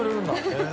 へえ。